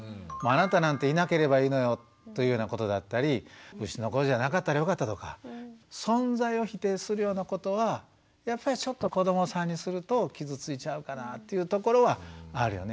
あなたなんていなければいいのよというようなことだったりうちの子じゃなかったらよかったとか存在を否定するようなことはやっぱりちょっと子どもさんにすると傷ついちゃうかなというところはあるよね。